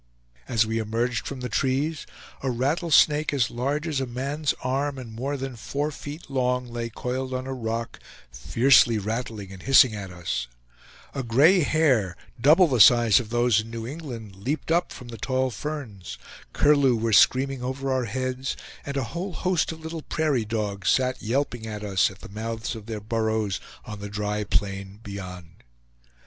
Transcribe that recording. As we emerged from the trees, a rattlesnake, as large as a man's arm, and more than four feet long, lay coiled on a rock, fiercely rattling and hissing at us; a gray hare, double the size of those in New England, leaped up from the tall ferns; curlew were screaming over our heads, and a whole host of little prairie dogs sat yelping at us at the mouths of their burrows on the dry plain beyond.